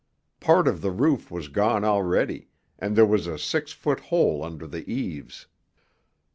Part of the roof was gone already, and there was a six foot hole under the eaves.